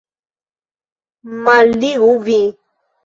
Malligu, vi!